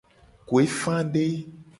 Kuefade.